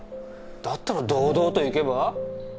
だったら堂々と行けば？